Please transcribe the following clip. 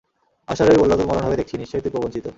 অশ্বারোহী বলল, তোর মরণ হবে দেখছি, নিশ্চয় তুই প্রবঞ্চিত।